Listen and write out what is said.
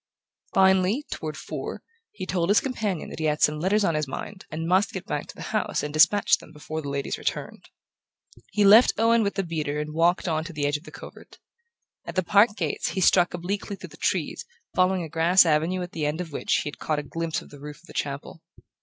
Finally, toward four, he told his companion that he had some letters on his mind and must get back to the house and despatch them before the ladies returned. He left Owen with the beater and walked on to the edge of the covert. At the park gates he struck obliquely through the trees, following a grass avenue at the end of which he had caught a glimpse of the roof of the chapel.